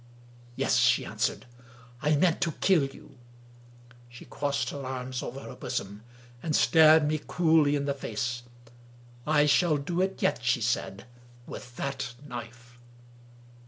" Yes," she answered ;" I meant to kill you." She crossed her arms over her bosom, and stared me coolly in the face. " I shall do it yet," she said. " With that knife."